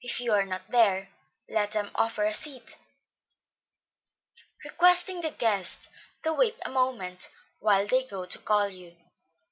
If you are not there, let them offer a seat, requesting the guests to wait a moment while they go to call you.